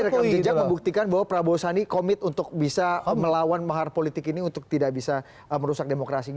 jadi rekan jejak membuktikan bahwa prabowo sandi komit untuk bisa melawan mahar politik ini untuk tidak bisa merusak demokrasi